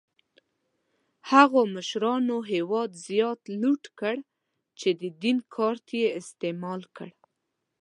هغو مشرانو هېواد زیات لوټ کړ چې د دین کارت یې استعمال کړ.